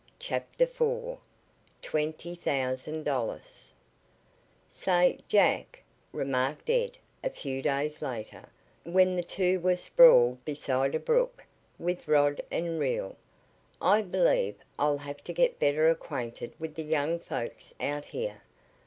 CHAPTER IV TWENTY THOUSAND DOLLARS "Say, Jack," remarked Ed a few days later, when the two were sprawled beside a brook, with rod and reel, "I believe I'll have to get better acquainted with the young folks out here.